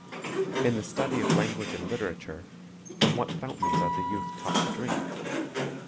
In the study of language and literature, from what fountains are the youth taught to drink?